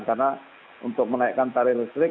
karena untuk menaikkan tarif listrik